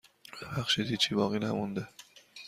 ببخشید هیچی باقی نمانده.